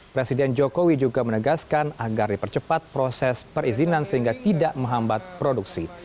presiden jokowi juga menegaskan agar dipercepat proses perizinan sehingga tidak menghambat produksi